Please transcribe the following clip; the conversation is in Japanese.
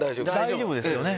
大丈夫ですよね。